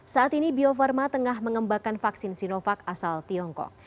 saat ini bio farma tengah mengembangkan vaksin sinovac asal tiongkok